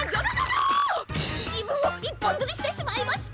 自分を一本づりしてしまいました。